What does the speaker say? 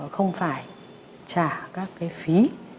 không phải trả các cái phí